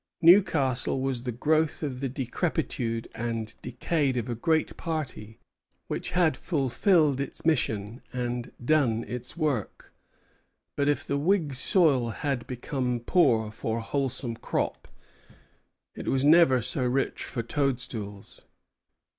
Newcastle was the growth of the decrepitude and decay of a great party, which had fulfilled its mission and done its work. But if the Whig soil had become poor for a wholesome crop, it was never so rich for toadstools.